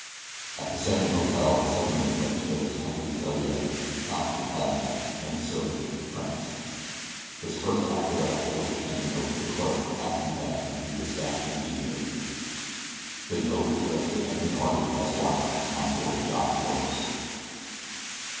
At the second hotel the second mate registered as Henri Theriere, Count de Cadenet, and servant, France. His first act thereafter was to hand a note to the clerk asking that it be dispatched immediately. The note was addressed to Anthony Harding, Esq., On Board Yacht Lotus.